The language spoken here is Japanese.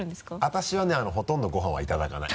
私はねほとんどご飯はいただかない。